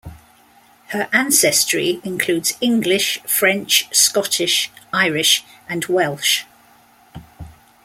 Her ancestry includes English, French, Scottish, Irish, and Welsh.